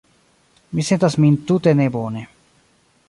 Mi sentas min tute nebone.